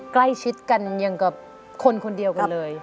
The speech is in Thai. ใกล้ชิดกันอย่างกับคนคนเดียวกันเลย